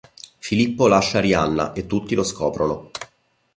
Filippo lascia Arianna e tutti lo scoprono.